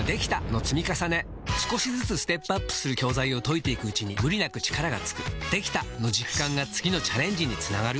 少しずつステップアップする教材を解いていくうちに無理なく力がつく「できた！」の実感が次のチャレンジにつながるよし！